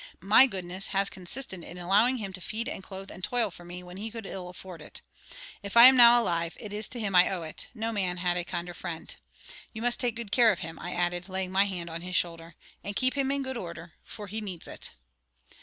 My goodness has consisted in allowing him to feed and clothe and toil for me when he could ill afford it. If I am now alive, it is to him I owe it; no man had a kinder friend. You must take good care of him," I added, laying my hand on his shoulder, "and keep him in good order, for he needs it."